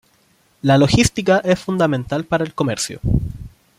La logística es fundamental para el comercio.